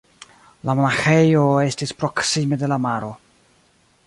La monaĥejo estis proksime de la maro.